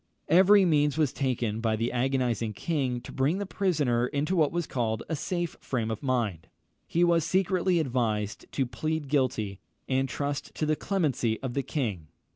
Every means was taken by the agonised king to bring the prisoner into what was called a safe frame of mind. He was secretly advised to plead guilty, and trust to the clemency of the king.